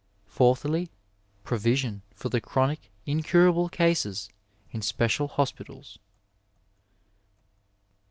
Fourthly, provision for the chronic, incurable cases in special hospitals.